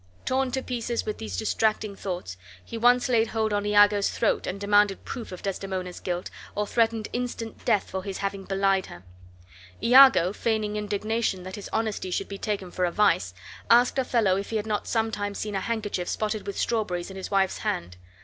Torn to pieces with these distracting thoughts, he once laid hold on Iago's throat and demanded proof of Desdemona's guilt, or threatened instant death for his having belied her. Iago, feigning indignation that his honesty should be taken for a vice, asked Othello if he had not sometimes seen a handkerchief spotted with strawberries in his wife's hand.